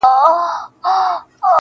کلونه کيږي چي يې زه د راتلو لارې څارم,